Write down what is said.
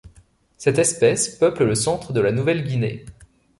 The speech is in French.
Cette espèce peuple le centre de la Nouvelle-Guinée.